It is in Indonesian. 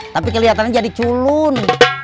tapi kelihatannya jadi culun